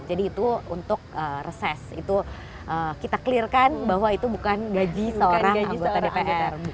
jadi itu untuk reses itu kita clear kan bahwa itu bukan gaji seorang anggota dprr